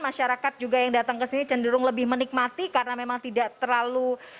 masyarakat juga yang datang ke sini cenderung lebih menikmati karena memang tidak terlalu